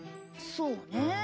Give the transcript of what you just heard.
そうねえ。